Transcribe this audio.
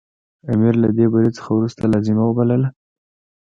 امیر له دې بري څخه وروسته لازمه وبلله.